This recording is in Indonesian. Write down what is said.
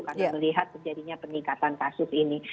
karena melihat kejadinya peningkatan kasus ini